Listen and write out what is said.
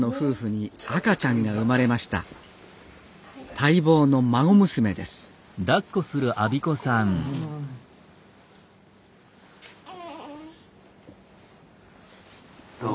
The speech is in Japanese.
待望の孫娘ですどう？